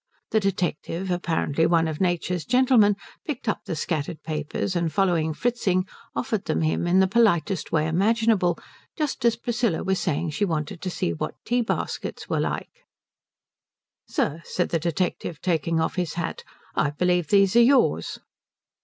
The detective, apparently one of Nature's gentlemen, picked up the scattered papers, and following Fritzing offered them him in the politest way imaginable just as Priscilla was saying she wanted to see what tea baskets were like. "Sir," said the detective, taking off his hat, "I believe these are yours."